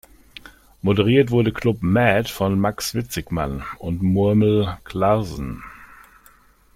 Moderiert wurde Klub Ma:d von Max Witzigmann und Murmel Clausen.